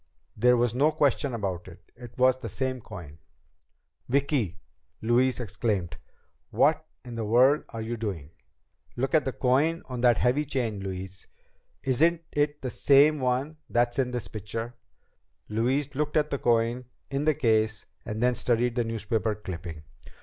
There was no question about it. It was the same coin! "Vicki," Louise exclaimed, "what in the world are you doing?" "Look at the coin on that heavy chain, Louise. Isn't it the same one that's in this picture?" Louise looked at the coin in the case and then studied the newspaper clipping.